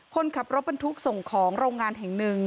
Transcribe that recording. คนขับรถบรรทุกส่งของโรงงานแห่งหนึ่ง